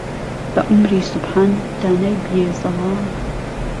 به عومری سوبحان دانای بیێ زەواڵ